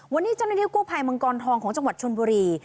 วันนี้เจ้าหน้าที่กู้ภัยมังกรทองของจังหวัดชนบุรี